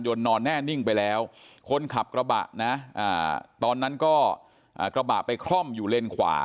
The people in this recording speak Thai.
นอนแน่นิ่งไปแล้วคนขับกระบะนะตอนนั้นก็กระบะไปคล่อมอยู่เลนขวา